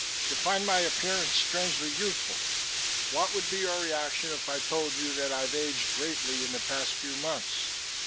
"You find my appearance strangely youthful. What would be your reaction if I told you that I've aged greatly in the past few months?